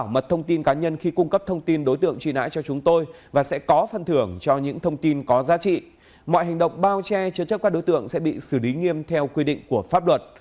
mọi hành động bao che chứa chấp các đối tượng sẽ bị xử lý nghiêm theo quy định của pháp luật